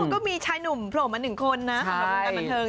ดูก็มีชายหนุ่มโผล่มา๑คนนะของเราดูกันบันเทวง